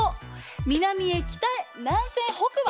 南へ北へ南船北馬。